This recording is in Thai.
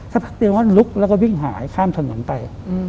สักพักเดียวก็ลุกแล้วก็วิ่งหายข้ามถนนไป